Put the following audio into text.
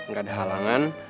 gak ada halangan